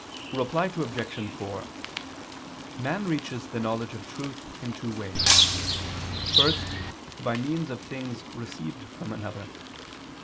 Reply Obj. 4: Man reaches the knowledge of truth in two ways. First, by means of things received from another.